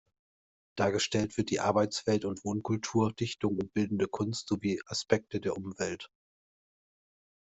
Dargestellt wird die Arbeitswelt und Wohnkultur, Dichtung und bildende Kunst sowie Aspekte der Umwelt.